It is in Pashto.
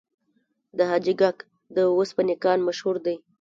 د حاجي ګک د وسپنې کان مشهور دی